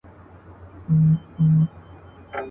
که یې مږور وه که یې زوی که یې لمسیان وه.